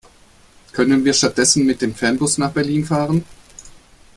Können wir stattdessen mit dem Fernbus nach Berlin fahren?